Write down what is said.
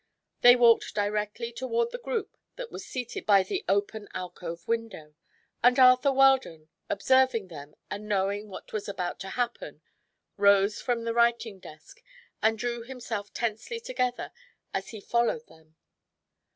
They walked directly toward the group that was seated by the open alcove window, and Arthur Weldon, observing them and knowing what was about to happen, rose from the writing desk and drew himself tensely together as he followed them.